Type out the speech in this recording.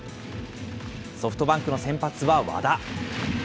ソフトバンクの先発は和田。